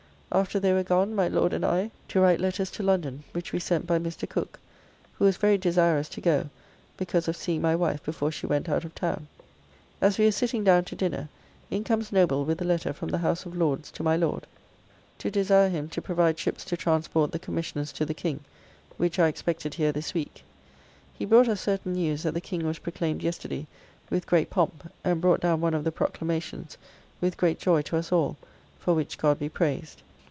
After they were gone my Lord and I to write letters to London, which we sent by Mr. Cook, who was very desirous to go because of seeing my wife before she went out of town. As we were sitting down to dinner, in comes Noble with a letter from the House of Lords to my Lord, to desire him to provide ships to transport the Commissioners to the King, which are expected here this week. He brought us certain news that the King was proclaimed yesterday with great pomp, and brought down one of the Proclamations, with great joy to us all; for which God be praised.